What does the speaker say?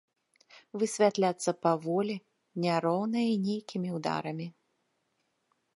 Высвятляцца паволі, няроўна і нейкімі ўдарамі.